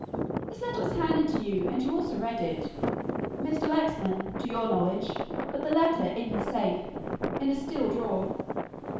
This letter was handed to you and you also read it. Mr. Lexman to your knowledge put the letter in his safe in a steel drawer."